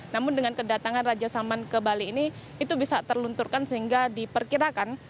namun dengan kedatangan raja salman ke bali ini itu bisa terlunturkan sehingga diperkirakan